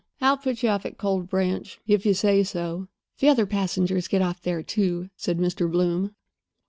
I'll put you off at Cold Branch, if you say so." "The other passengers get off there, too," said Mr. Bloom.